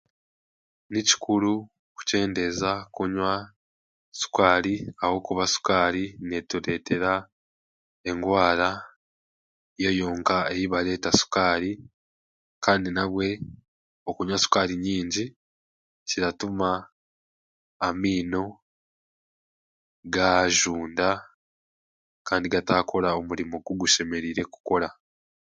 Ni kikura kukyendeeza kunywa shukaari ahabwokuba shukaari neetureetura endwara yo yonka ei bareeta shuukaari kandi nabwe okunywa shukaari nyingi kirareeta amaino gaazunda kandi gataakora omurimo ogu gashemereire kukora